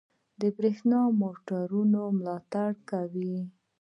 د بریښنايي موټرو ملاتړ کوي.